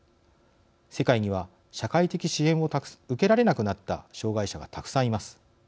世界には社会的支援を受けられなくなった障害者がたくさんいます。